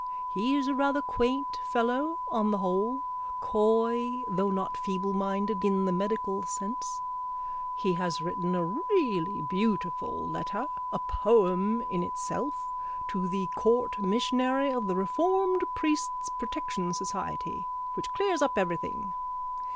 He is a rather quaint fellow on the whole, coy though not feebleminded in the medical sense. He has written a really beautiful letter, a poem in itself, to the court missionary of the Reformed Priests' Protection Society which clears up everything.